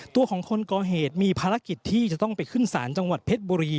ตัวของคนก่อเหตุมีภารกิจที่จะต้องไปขึ้นศาลจังหวัดเพชรบุรี